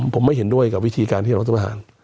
ผมไม่เห็นด้วยกับวิธีการที่รัฐประหาร